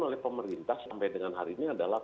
oleh pemerintah sampai dengan hari ini adalah